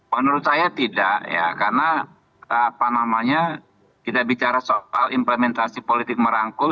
menurut saya tidak ya karena apa namanya kita bicara soal implementasi politik merangkul